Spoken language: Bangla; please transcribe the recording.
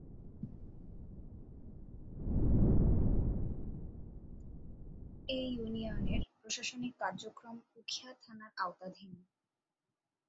এ ইউনিয়নের প্রশাসনিক কার্যক্রম উখিয়া থানার আওতাধীন।